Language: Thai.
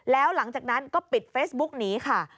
แล้วหลังจากนั้นก็ปิดเฟซบุ๊กหนีค่ะ